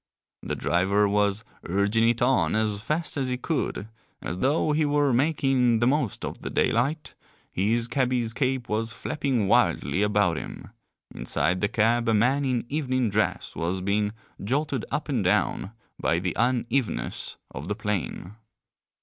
The driver was urging it on as fast as he could, as though he were making the most of the daylight, his cabby's cape was flapping wildly about him; inside the cab a man in evening dress was being jolted up and down by the unevenness of the plain.